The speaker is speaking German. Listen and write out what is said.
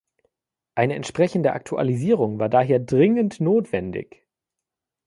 Eine entsprechende Aktualisierung war daher dringend notwendig.